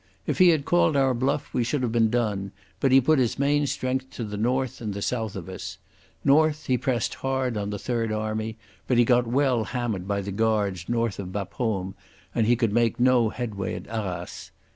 If he had called our bluff we should have been done, but he put his main strength to the north and the south of us. North he pressed hard on the Third Army, but he got well hammered by the Guards north of Bapaume and he could make no headway at Arras.